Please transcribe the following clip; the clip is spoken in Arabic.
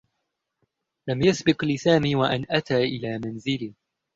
لم يسبق لسامي و أن أتى إلى منزلي.